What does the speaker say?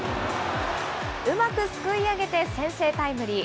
うまくすくい上げて先制タイムリー。